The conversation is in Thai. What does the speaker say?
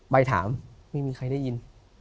ไปถามไม่มีใครได้ยิน